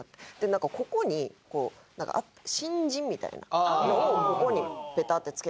なんかここにこう「新人」みたいなのをここにペタッて付けてらっしゃって。